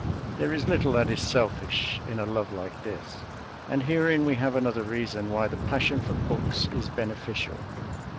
There is little that is selfish in a love like this, and herein we have another reason why the passion for books is beneficial.